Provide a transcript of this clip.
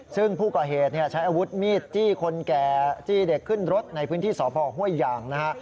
ซึ่งผู้ก่อเหตุใช้อาวุธมีดจี้คนแก่จี้เด็กขึ้นรถในพื้นที่สพห้วยยางนะฮะ